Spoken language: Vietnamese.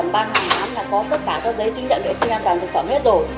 cô đem các sản phẩm ba bốn năm là có tất cả các giấy chứng nhận vệ sinh an toàn thực phẩm hết rồi